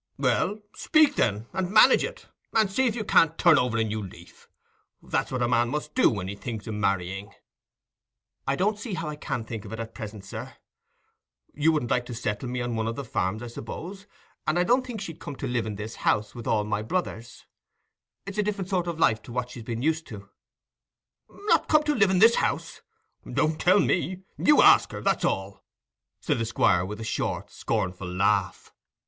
"Well, speak, then, and manage it, and see if you can't turn over a new leaf. That's what a man must do when he thinks o' marrying." "I don't see how I can think of it at present, sir. You wouldn't like to settle me on one of the farms, I suppose, and I don't think she'd come to live in this house with all my brothers. It's a different sort of life to what she's been used to." "Not come to live in this house? Don't tell me. You ask her, that's all," said the Squire, with a short, scornful laugh.